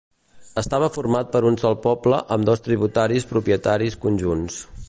Estava format per un sol poble amb dos tributaris propietaris conjunts.